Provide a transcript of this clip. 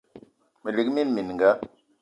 Me lik mina mininga